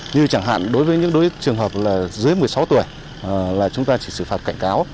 như chẳng hạn đối với những đối trường hợp là dưới một mươi sáu tuổi là chúng ta chỉ xử phạt cảnh cáo